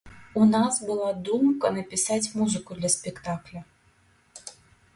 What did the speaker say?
У нас была думка напісаць музыку для спектакля.